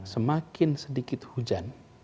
semakin sedikit hujan